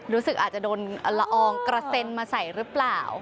รู้สึกอาจจะโดนละอองกระเซ็นมาใส่หรือเปล่า